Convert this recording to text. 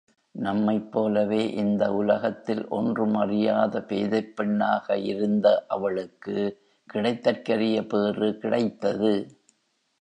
நம்மைப் போலவே இந்த உலகத்தில் ஒன்றும் அறியாத பேதைப் பெண்ணாக இருந்த அவளுக்கு கிடைத்தற்கரிய பேறு கிடைத்தது.